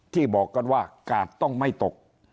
บอกกันว่ากาดต้องไม่ตก